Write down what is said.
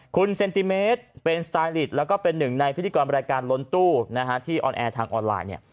คุณเซนติเมตรเป็นสไตลิตแล้วก็เป็นหนึ่งในพิธีกรรายการล้นตู้ที่ออนแอร์ทางออนไลน์เนี่ย